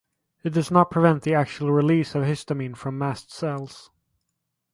It does not prevent the actual release of histamine from mast cells.